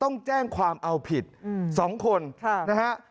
ต้องแจ้งความเอาผิด๒คนนะฮะ